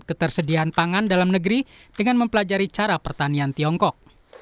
ketersediaan pangan dalam negeri dengan mempelajari cara pertanian tiongkok